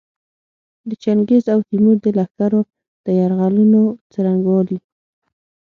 د چنګیز او تیمور د لښکرو د یرغلونو څرنګوالي.